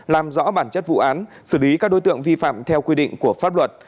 làm rõ bản chất vụ án xử lý các đối tượng vi phạm theo quy định của pháp luật